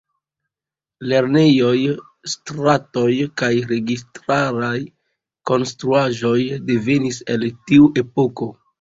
Lernejoj, stratoj kaj registaraj konstruaĵoj devenis el tiu epoko.